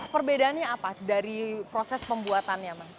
perbedaannya apa dari proses pembuatannya mas